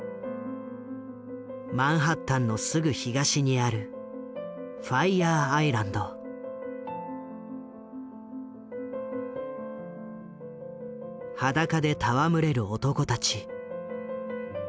マンハッタンのすぐ東にある裸で戯れる男たち。